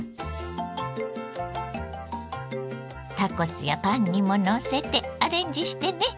タコスやパンにものせてアレンジしてね。